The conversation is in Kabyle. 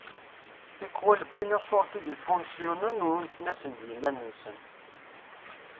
Tikwal wwin aṣurdi d ipuṛsyunen u unfen-asen d yiman-nsen.